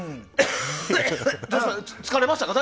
疲れましたか？